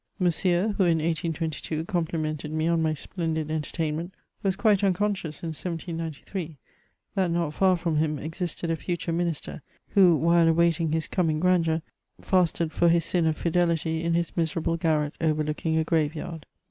Monsieur, who in 1822 com plimented me on my splendid entertainment, was quite uncon scious in 1793, that not far fnnn him existed a future minister, who while awaiting his coming grandeur, fasted for his sin of fidelity in his miserable gsuret overlooking a grave yard.